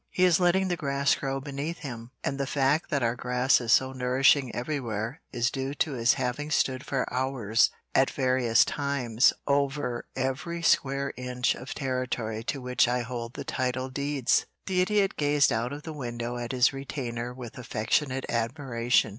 He is letting the grass grow beneath him, and the fact that our grass is so nourishing everywhere is due to his having stood for hours at various times over every square inch of territory to which I hold the title deeds." The Idiot gazed out of the window at his retainer with affectionate admiration.